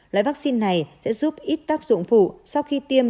loại vắc xin này sẽ giúp ít tác dụng phụ sau khi tiêm